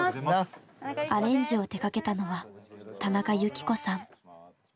アレンジを手がけたのは田中雪子さん。